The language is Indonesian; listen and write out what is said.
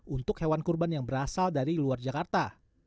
untuk hewan kurban yang berasal dari luar jakarta